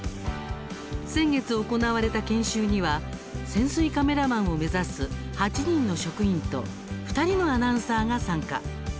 先月、行われた研修には潜水カメラマンを目指す８人の職員と２人のアナウンサーが参加。